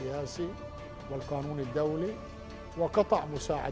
yang mengucapkan terlalu buruk dan salah